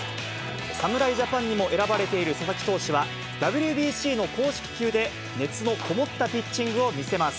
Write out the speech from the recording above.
侍ジャパンにも選ばれている佐々木投手は、ＷＢＣの公式球で熱の込もったピッチングを見せます。